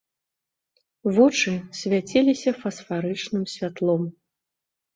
Вочы свяціліся фасфарычным святлом.